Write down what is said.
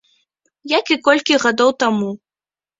Як і колькі гадоў таму.